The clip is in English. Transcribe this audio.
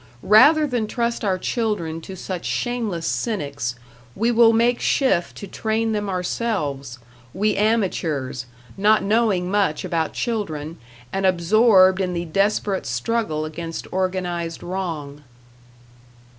Rather than trust our children to such shameless cynics, we will make shift to train them ourselves we amateurs, not knowing much about children, and absorbed in the desperate struggle against organized wrong.